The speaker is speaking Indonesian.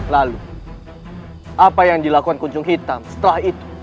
lalu apa yang dilakukan kunjung hitam setelah itu